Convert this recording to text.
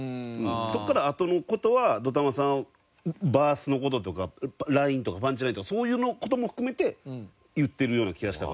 そこからあとの事はＤＯＴＡＭＡさんバースの事とかラインとかパンチラインとかそういう事も含めて言ってるような気がした。